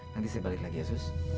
nanti saya balik lagi ya sus